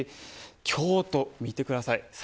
京都を見てください。